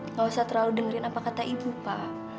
gak usah terlalu dengerin apa kata ibu pak